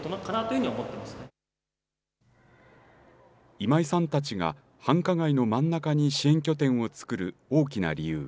今井さんたちが繁華街の真ん中に支援拠点を作る大きな理由。